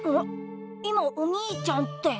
今「お兄ちゃん」って。